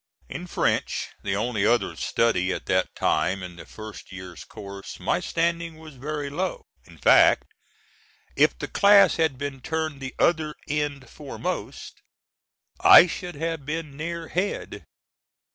In French, the only other study at that time in the first year's course, my standing was very low. In fact, if the class had been turned the other end foremost I should have been near head.